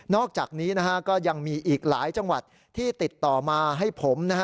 อกจากนี้นะฮะก็ยังมีอีกหลายจังหวัดที่ติดต่อมาให้ผมนะฮะ